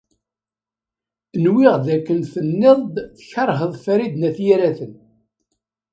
Nwiɣ dakken tenniḍ-d tkeṛheḍ Farid n At Yiraten.